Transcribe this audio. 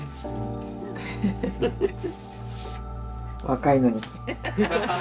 若いのに。